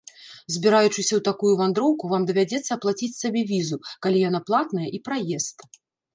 Збіраючыся ў такую вандроўку, вам давядзецца аплаціць сабе візу, калі яна платная, і праезд.